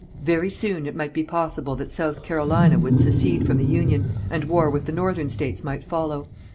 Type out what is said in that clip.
Very soon it might be possible that South Carolina would secede from the Union, and war with the northern states might follow.